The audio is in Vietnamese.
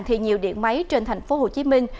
thì nhiều điện máy trên thành phố hồ chí minh